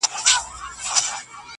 خدای ورکړي دوه زامن په یوه شپه وه,